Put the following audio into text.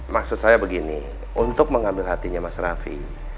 maksud saya begini untuk mengambil hatinya mas rafi